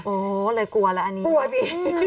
โอ้เลยกลัวแล้วอันนี้กลัวพี่